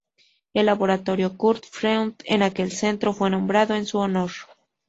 El Laboratorio Kurt Freund en aquel centro fue nombrado en su honor.